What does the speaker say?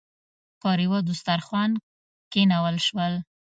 پر یوه دسترخوان کېنول شول.